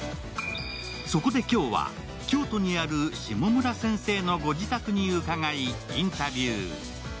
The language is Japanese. そこで今日は京都にある下村先生のご自宅に伺いインタビュー。